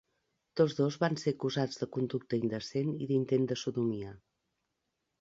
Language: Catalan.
Tots dos van ser acusats de conducta indecent i d'intent de sodomia.